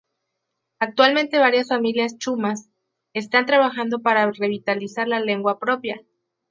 Actualmente varias familias chumash están trabajando para revitalizar la lengua propia.